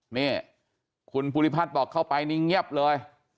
นี่คุณภูริพัฒน์บอกเข้าไปนี่เงียบเลย